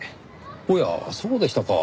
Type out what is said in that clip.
おやそうでしたか。